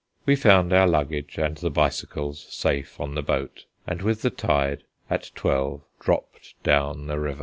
We found our luggage and the bicycles safe on the boat, and with the tide at twelve dropped down the river.